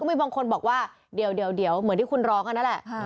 มีบางคนบอกว่าเดี๋ยวเหมือนที่คุณร้องกันนั่นแหละ